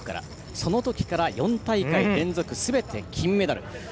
そのときから４大会連続すべて金メダル。